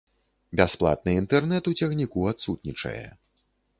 Бясплатны інтэрнэт у цягніку адсутнічае.